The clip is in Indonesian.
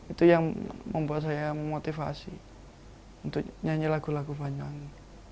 itu yang membuat saya memotivasi untuk nyanyi lagu lagu banyuwangi